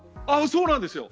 そうなんですよ。